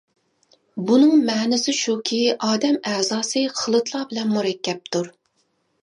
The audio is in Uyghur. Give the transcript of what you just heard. بۇنىڭ مەنىسى شۇكى ئادەم ئەزاسى خىلىتلار بىلەن مۇرەككەپتۇر.